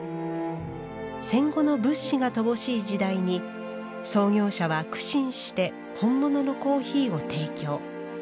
戦後の物資が乏しい時代に創業者は苦心して本物のコーヒーを提供。